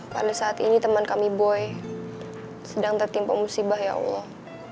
pada saat ini teman kami boy sedang tertimpa musibah ya allah